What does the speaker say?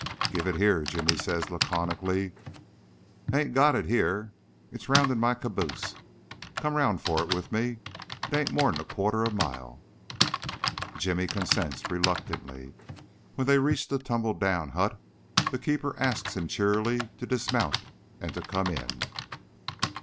"Give it here," Jimmy says laconically. "I hain't got it here. It's round in my caboose. Come round for it with me. It ain't more'n quarter of a mile." Jimmy consents reluctantly. When they reach the tumble down hut the keeper asks him cheerily to dismount and to come in.